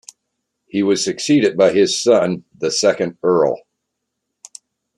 He was succeeded by his son, the second Earl.